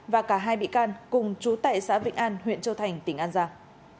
và cả hai bị can cùng chú tại xã vĩnh an huyện châu thành tỉnh an giang